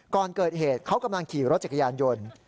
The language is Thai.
ก่อนเกิดเหตุเขากำลังขี่รถจักรยานยนต์